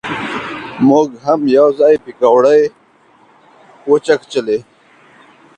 مونږ هم یو ځای پکوړې وچکچلې.